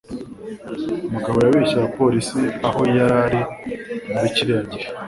Mugabo yabeshye abapolisi aho yari ari muri kiriya gihe.